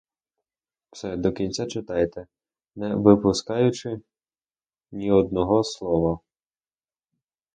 Все, до кінця читайте, не випускаючи ні одного слова.